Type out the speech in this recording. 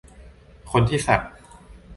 คนที่สัก